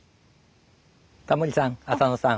タモリさん浅野さん